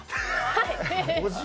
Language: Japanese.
はい。